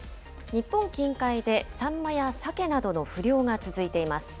日本近海でサンマやサケなどの不漁が続いています。